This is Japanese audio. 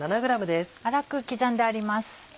粗く刻んであります。